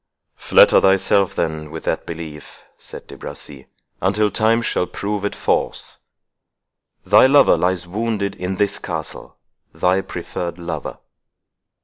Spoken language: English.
"Flatter thyself, then, with that belief," said De Bracy, "until time shall prove it false. Thy lover lies wounded in this castle—thy preferred lover.